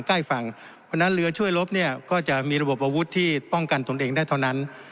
ใกล้ฝั่งเพราะฉะนั้นเรือช่วยลบเนี่ยก็จะมีระบบอาวุธที่ป้องกันตนเองได้เท่านั้น